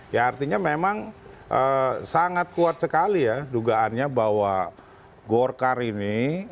ya artinya memang sangat kuat sekali ya dugaannya bahwa golkar ini